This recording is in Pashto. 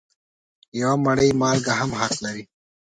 یوه مړۍ مالګه هم حق لري.